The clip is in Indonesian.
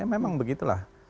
ya memang begitu lah